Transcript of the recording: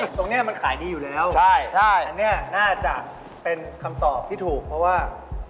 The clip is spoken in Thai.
ตรงนี้มันขายดีอยู่แล้วอันนี้น่าจะเป็นคำตอบที่ถูกเพราะว่า